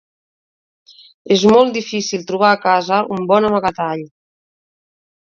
És molt difícil trobar a casa un bon amagatall.